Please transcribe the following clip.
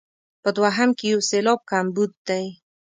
په دوهم کې یو سېلاب کمبود دی.